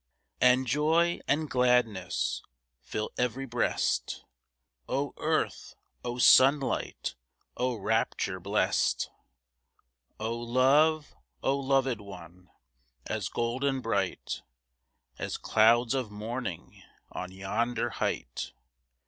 And joy and gladness Fill ev'ry breast! Oh earth! oh sunlight! Oh rapture blest! Oh love! oh loved one! As golden bright, As clouds of morning On yonder height!